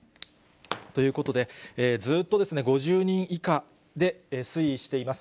ということで、ずっと５０人以下で推移しています。